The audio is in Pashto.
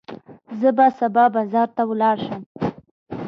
زه به سبا بازار ته ولاړ شم.